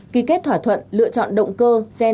ký kết thỏa thuận lựa chọn động cơ